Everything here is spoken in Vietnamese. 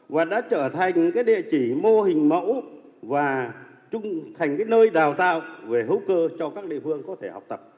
và đã trở thành địa chỉ mô hình mẫu và trung thành nơi đào tạo về hữu cơ cho các địa phương có thể học tập